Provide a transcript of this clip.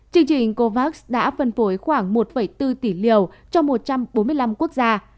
chương trình covax đã phân phối khoảng một bốn tỷ liều cho một trăm bốn mươi năm quốc gia